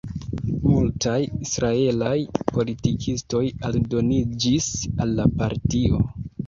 Multaj israelaj politikistoj aldoniĝis al la partio.